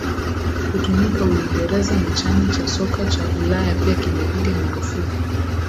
kutumika uingereza na chama cha soka cha ulaya pia kimepiga marufuku